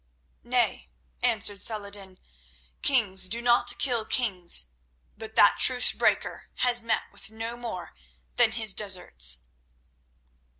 "Nay," answered Saladin; "kings do not kill kings, but that truce breaker has met with no more than his deserts."